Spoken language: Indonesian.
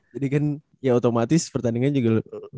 jadi kan ya otomatis pertandingan juga